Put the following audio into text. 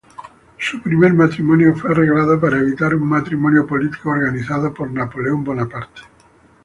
Su primer matrimonio fue arreglado para evitar un matrimonio político organizado por Napoleón Bonaparte.